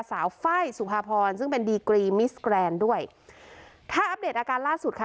สาวฝ้ายสุภาพรซึ่งเป็นดีกรีด้วยถ้าอัปเดตอาการล่าสุดค่ะ